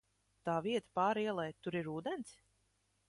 Tā vieta pāri ielai, tur ir ūdens?